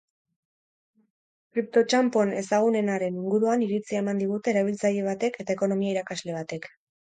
Kriptotxanpon ezagunenaren inguruan iritzia eman digute erabiltzaile batek eta ekonomia irakasle batek.